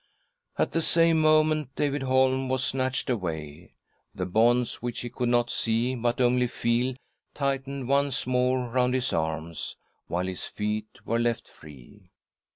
At the same moment David Holm was snatched away. The bonds which he could not see, but only feel, tightened once more round his arms, while his feet were left free.